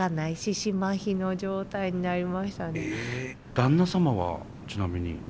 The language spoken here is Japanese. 旦那様はちなみに。